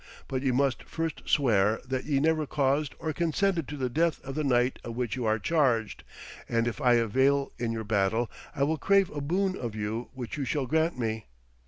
But ye must first swear that ye never caused or consented to the death of the knight of which you are charged, and if I avail in your battle I will crave a boon of you which you shall grant me.'